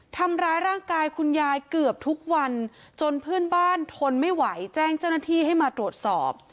ทำร้ายร่างกายคุณยายเกือบทุกวันจนเพื่อนบ้านทนไม่ไหวแจ้งเจ้าหน้าที่ให้มาตรวจสอบ